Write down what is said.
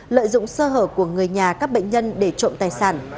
lợi dụng sơ hở của người nhà các bệnh nhân để trộm tài sản